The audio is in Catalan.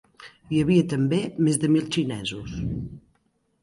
Hi havia també més de mil xinesos.